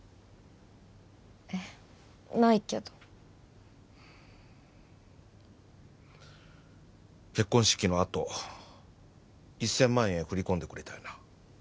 えないけど結婚式のあと１０００万円振り込んでくれたよな